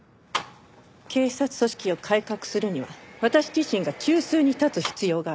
警察組織を改革するには私自身が中枢に立つ必要がある。